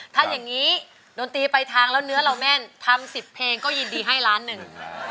ถ้าอย่างนี้ดนตรีไปทางแล้วเนื้อเราแม่นทำ๑๐เพลงก็ยินดีให้ล้านหนึ่ง